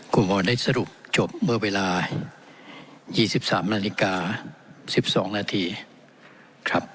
คุณหมอได้สรุปจบเมื่อเวลา๒๓นาฬิกา๑๒นาทีครับ